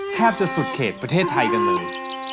แทบจะสุดเขตประเทศไทยกันเลย